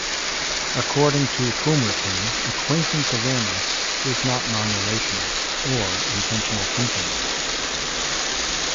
According to Fumerton, acquaintance awareness is not non-relational or intentional thinking.